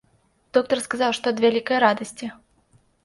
Доктар сказаў, што ад вялікай радасці.